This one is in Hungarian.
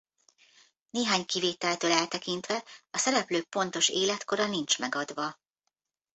Néhány kivételtől eltekintve a szereplők pontos életkora nincs megadva.